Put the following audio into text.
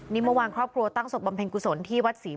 นี่เมื่อวานครอบครัวตั้งศพบำเพ็ญกุศลที่วัดศรี